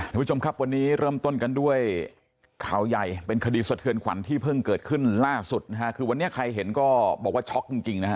ทุกผู้ชมครับวันนี้เริ่มต้นกันด้วยข่าวใหญ่เป็นคดีสะเทือนขวัญที่เพิ่งเกิดขึ้นล่าสุดนะฮะคือวันนี้ใครเห็นก็บอกว่าช็อกจริงจริงนะฮะ